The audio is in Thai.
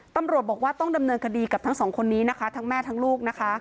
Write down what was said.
ตำรวจบอกว่าต้องดำเนินคดีกับทั้งสองคนนี้นะคะทั้งแม่ทั้งลูกนะคะ